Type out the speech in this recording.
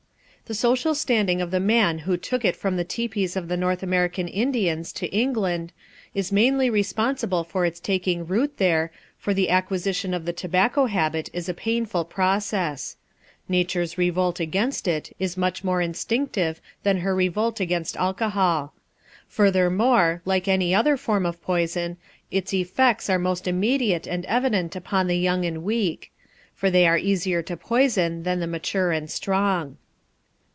The social standing of the man who took it from the tepees of the North American Indians to England is mainly responsible for its taking root there, for the acquisition of the tobacco habit is a painful process. Nature's revolt against it is much more instinctive than her revolt against alcohol. Furthermore, like any other form of poison, its effects are most immediate and evident upon the young and weak; for they are easier to poison than the mature and strong.